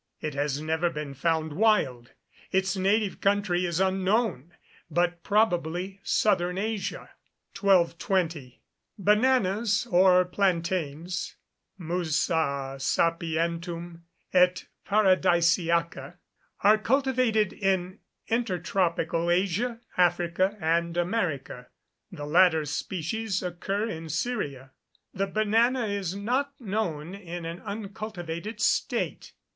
It has never been found wild; its native country is unknown; but probably southern Asia. 1220. Bananas, or plantains (Musa sapientum et paradisiaca), are cultivated in intertropical Asia, Africa, and America. The latter species occur in Syria. The banana is not known in an uncultivated state.